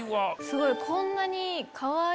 すごいこんなに。